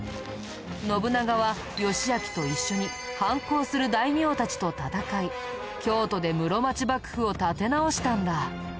信長は義昭と一緒に反抗する大名たちと戦い京都で室町幕府を立て直したんだ。